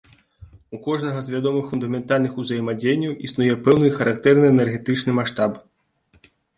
У кожнага з вядомых фундаментальных узаемадзеянняў існуе пэўны характэрны энергетычны маштаб.